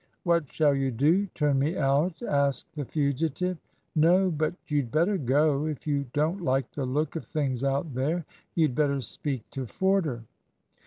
"What shall you do turn me out?" asked the fugitive. "No. But you'd better go, and if you don't like the look of things out there, you'd better speak to Forder."